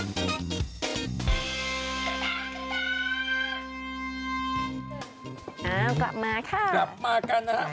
เอากลับมาค่ะกลับมากันนะครับ